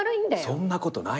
そんなことないんだよ。